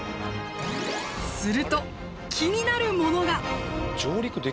すると気になるものが。